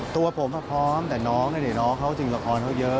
ตัวผมพอพร้อมแต่น้องเด็ดน้องเหมือนรีบริของเขาเยอะ